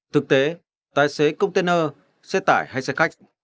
thực tế tài xế container xe tải hay xe khách